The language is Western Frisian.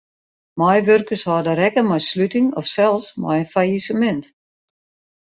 Meiwurkers hâlde rekken mei sluting of sels mei in fallisemint.